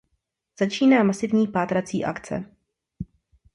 Začíná masivní pátrací akce.